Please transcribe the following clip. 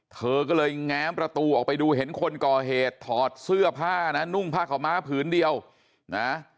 เธอก็เลยแง้มประตูออกไปดูเห็นคนก่อเหตุถอดเสื้อผ้านะนุ่งผ้าขาวม้าผืนเดียวนะ